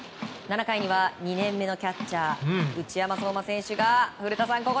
７回には２年目のキャッチャー内山壮真選手が。